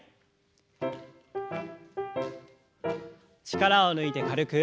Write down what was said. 力を抜いて軽く。